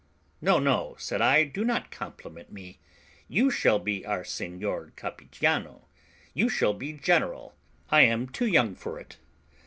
"No, no," said I, "do not compliment me; you shall be our Seignior Capitanio, you shall be general; I am too young for it."